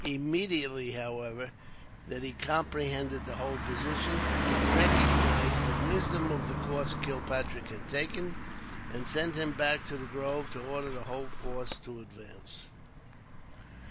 Immediately, however, that he comprehended the whole position, he recognized the wisdom of the course Kilpatrick had taken, and sent him back to the grove, to order the whole force to advance.